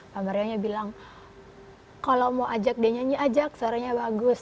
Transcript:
pak mario nya bilang kalau mau ajak dia nyanyi ajak suaranya bagus